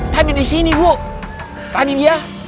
tadi di sini bu tadi dia